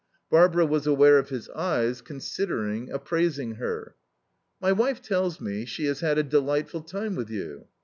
Barbara was aware of his eyes, considering, appraising her. "My wife tells me she has had a delightful time with you."